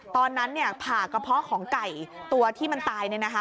ตอนนั้นเนี่ยผ่ากระเพาะของไก่ตัวที่มันตายเลยนะฮะ